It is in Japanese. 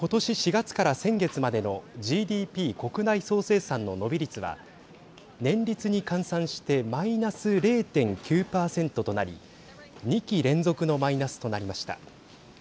４月から先月までのＧＤＰ＝国内総生産の伸び率は年率に換算してマイナス０．９％となり２期連続のマイナスとなりました。